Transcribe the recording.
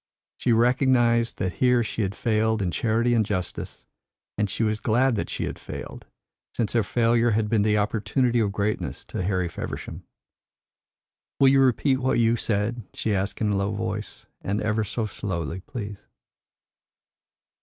She recognised that here she had failed in charity and justice, and she was glad that she had failed, since her failure had been the opportunity of greatness to Harry Feversham. "Will you repeat what you said?" she asked in a low voice; "and ever so slowly, please."